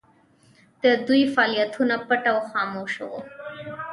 د دوی فعالیتونه پټ او خاموشه وو.